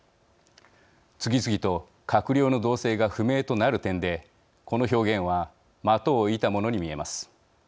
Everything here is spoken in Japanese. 次々と閣僚の動静が不明となる点でこの表現は的を射たものに見えます。